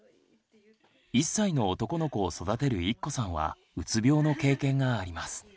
１歳の男の子を育てるいっこさんはうつ病の経験があります。